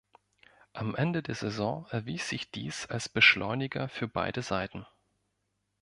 Am Ende der Saison erwies sich dies als Beschleuniger für beide Seiten.